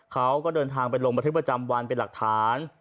เขาก็เดินทางไปลงบันทึกประจำวันเป็นหลักฐาน